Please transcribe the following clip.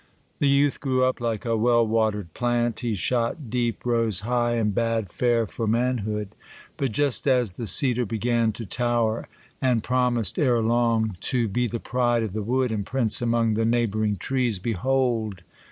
The^ youth grew up, like a well watered plant; he shot deep, rose high, and bade fair for manhood. But just as the cedar began to tower, and promised ere long, to be the pride of the wood, and prince among the neigi^ bouring trees, behold!